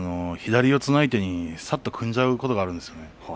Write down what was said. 左四つの相手にさっと組んじゃうことがあるんですよ。